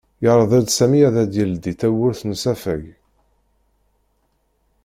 Yeɛreḍ Sami ad d-yeldi tawwurt n usafag.